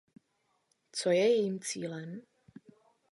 Co je jejím cílem?